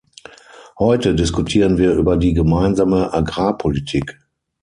Heute diskutieren wir über die Gemeinsame Agrarpolitik.